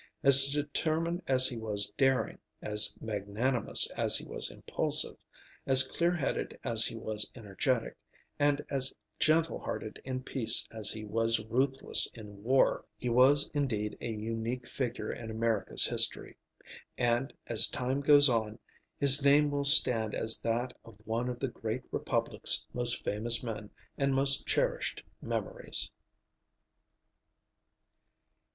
As determined as he was daring, as magnanimous as he was impulsive, as clear headed as he was energetic, and as gentle hearted in peace as he was ruthless in war, he was indeed a unique figure in America's history, and, as time goes on, his name will stand as that of one of the great Republic's most famous men and most cherished memories.